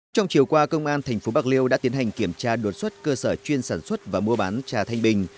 trong chiều qua công an tp bạc liêu đã tiến hành kiểm tra đột xuất cơ sở chuyên sản xuất và mua bán trà thanh bình